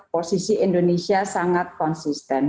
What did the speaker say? posisi indonesia sangat konsisten